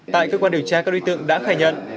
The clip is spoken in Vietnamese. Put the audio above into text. tại cơ quan điều tra các đối tượng đã khai nhận